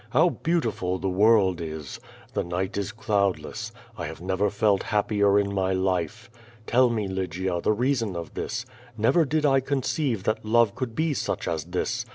"How beautiful the world is. The night is cloudless. I have never felt happier in my life. Tell me, Lygia, the reason of this. Never did I conceive that love could be such as this.